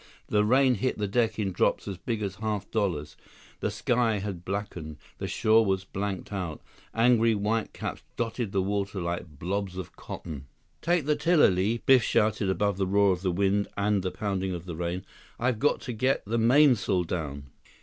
The rain hit the deck in drops as big as half dollars. The sky had blackened. The shore was blanked out. Angry whitecaps dotted the water like blobs of cotton. 112 113 "Take the tiller, Li," Biff shouted above the roar of the wind and the pounding of the rain. "I've got to get the mainsail down."